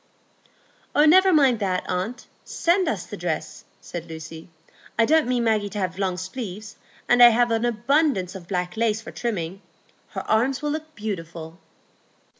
"Oh, never mind that, aunt; send us the dress," said Lucy. "I don't mean Maggie to have long sleeves, and I have abundance of black lace for trimming. Her arms will look beautiful."